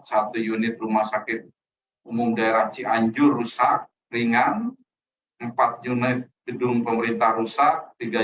satu unit rumah sakit umum daerah cianjur rusak ringan empat unit gedung pemerintah rusak tiga